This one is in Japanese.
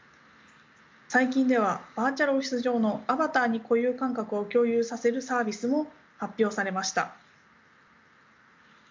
最近ではバーチャルオフィス上のアバターに固有感覚を共有させるサービスも発表されました。